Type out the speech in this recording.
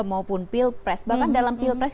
maupun pilpres bahkan dalam pilpres